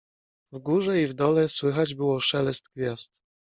W górze i w dole słychać było szelest gwiazd.